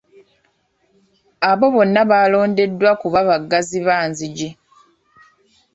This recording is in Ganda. Abo bonna baalondebwa kuba baggazi ba nzigi.